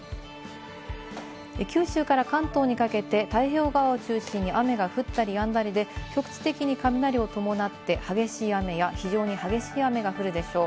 九州から関東にかけて太平洋側を中心に雨が降ったりやんだりで、局地的に雷を伴って、激しい雨や非常に激しい雨が降るでしょう。